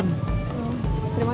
nanti dapat diskon